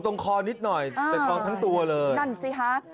คอนิดหน่อยแต่ทองทั้งตัวเลยนั่นสิฮะ